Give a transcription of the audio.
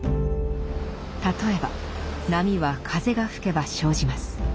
例えば波は風が吹けば生じます。